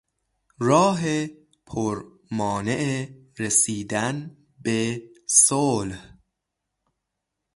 راه پر مانع رسیدن به صلح